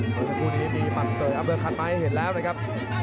ทุกครู่นี้มีมันเซอร์อัพเวอร์คันมาให้เห็นแล้วนะครับ